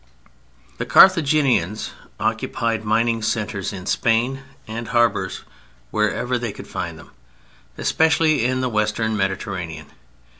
The Carthaginian occupied mining centres in Spain, and harbors wherever he could find them, especially in the Western Mediterranean.